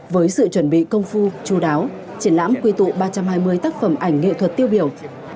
với sự chuẩn bị công phu chú đáo triển lãm quy tụ ba trăm hai mươi tác phẩm ảnh nghệ thuật tiêu biểu